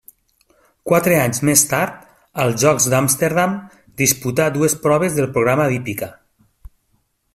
Quatre anys més tard, als Jocs d'Amsterdam, disputà dues proves del programa d'hípica.